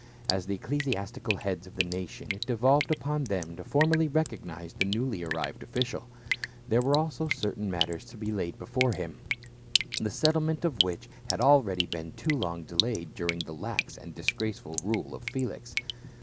As the ecclesiastical heads of the nation it devolved upon them to formally recognize the newly arrived official ; there were also certain matters to be laid before him, the settlement of which had already been too long delayed during the lax and disgraceful rule of Felix.